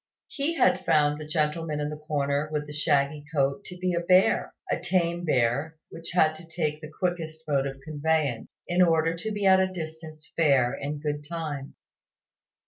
He had found the gentleman in the corner, with the shaggy coat, to be a bear a tame bear, which had to take the quickest mode of conveyance, in order to be at a distant fair in good time.